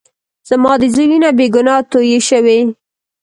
زما د زوى وينه بې ګناه تويې شوې.